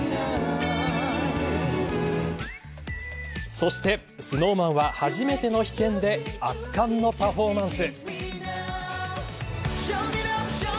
そしてＳｎｏｗＭａｎは初めての飛天で圧巻のパフォーマンス。